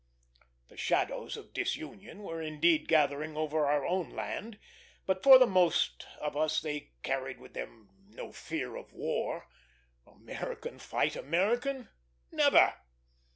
The shadows of disunion were indeed gathering over our own land, but for the most of us they carried with them no fear of war. American fight American? Never!